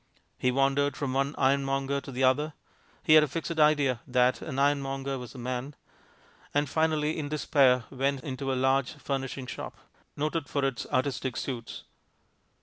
He wandered from one ironmonger to the other (he had a fixed idea that an ironmonger was the man), and finally, in despair, went into a large furnishing shop, noted for its "artistic suites."